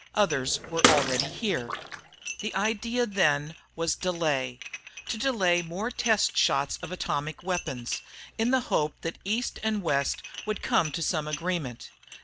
Others were already here. The idea then was delay to delay more test shots of atomic weapons, in the hope that East and West would come to some agreement.